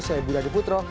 saya budha diputro